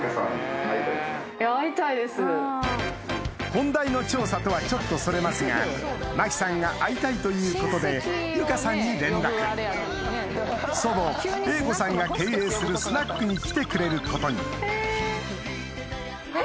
本題の調査とはちょっとそれますが麻貴さんが会いたいということで由香さんに連絡祖母榮子さんが経営するスナックに来てくれることにえ！